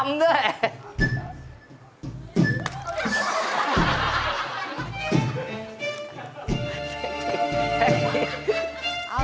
พี่แซ่น